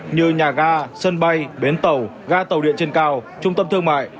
như nhà ga sân bay bến tàu ga tàu điện trên cao trung tâm thương mại